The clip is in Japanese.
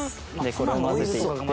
これを混ぜていって。